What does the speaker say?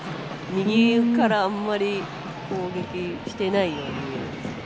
右からあまり攻撃してないように見えるんですけど。